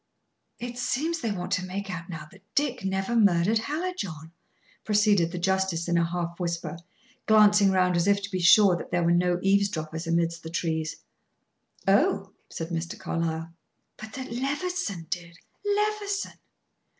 "It seems they want to make out now that Dick never murdered Hallijohn," proceeded the justice, in a half whisper, glancing round as if to be sure that there were no eaves droppers amidst the trees. "Oh," said Mr. Carlyle. "But that Levison did. Levison!"